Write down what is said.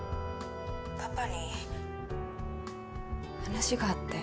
「パパに」話があって。